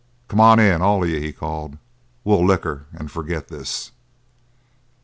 "Come on in, all of you," he called. "We'll liquor, and forget this."